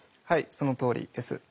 はいそのとおりです。